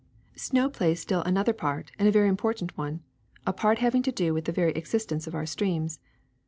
*'Snow plays still another part, and a very im portant one, a part having to do with the very ex istence of our streams.